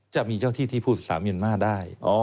จะมีเจ้าที่ที่พูดภาษาเมียนมาร์ได้